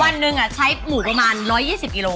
วันหนึ่งใช้หมูประมาณ๑๒๐กิโล